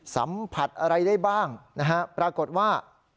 สัมผัสอะไรได้บ้างนะฮะปรากฏว่า